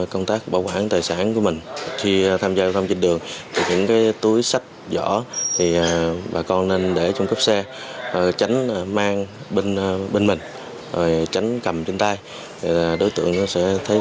công tác bảo quản tài sản của mình khi tham gia vận phòng trên đường những túi sách vỏ bà con nên để trong cấp xe tránh mang bên mình tránh cầm trên tay